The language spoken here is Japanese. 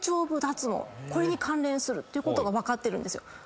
これに関連するってことが分かってるんですよ。